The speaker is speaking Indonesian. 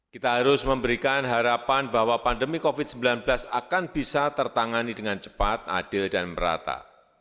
kita harus memberikan harapan bahwa pandemi covid sembilan belas akan bisa tertangani dengan cepat adil dan merata